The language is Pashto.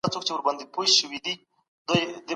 د اسلام قلعه په ګمرک کي څه ډول اسانتیاوې سته؟